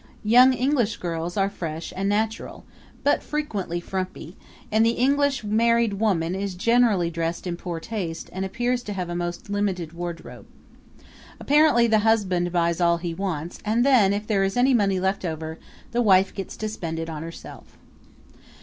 Young English girls are fresh and natural, but frequently frumpy; and the English married woman is generally dressed in poor taste and appears to have a most limited wardrobe. Apparently the husband buys all he wants, and then, if there is any money left over, the wife gets it to spend on herself.